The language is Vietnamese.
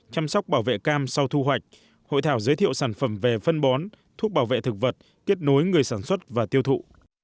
chăm sóc bảo vệ cam sau thu hoạch hội thảo giới thiệu sản phẩm về phân bón thuốc bảo vệ thực vật kết nối người sản xuất và tiêu thụ